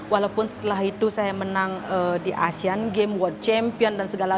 walaupun setelah itu saya menang di asean games world champion dan segala